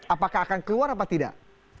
apakah akan keluar apa tidak